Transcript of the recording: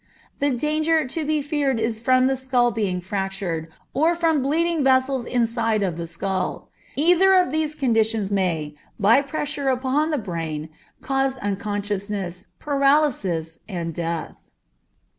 The danger to be feared is from the skull being fractured, or from bleeding vessels inside of the skull. Either of these conditions may, by pressure upon the brain, cause unconsciousness, paralysis, and death.